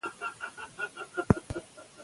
تر هغه چې روغ خواړه وخوړل شي، بدن به کمزوری نه شي.